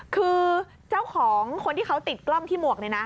คือเจ้าของคนที่เขาติดกล้องที่หมวกเนี่ยนะ